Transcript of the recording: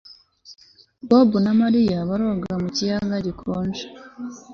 Bobo na Mariya baroga mu kiyaga gikonje